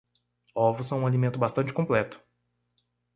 Ovos são um alimento bastante completo